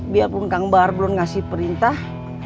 biarpun kang bar belum ngasih perintah